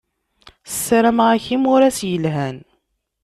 Sarameɣ-ak imuras yelhan.